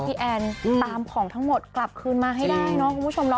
แอนตามของทั้งหมดกลับคืนมาให้ได้เนาะคุณผู้ชมเนาะ